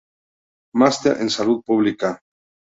Máster en Salud Pública.